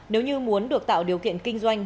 nếu như muốn được tạo điều kiện kinh doanh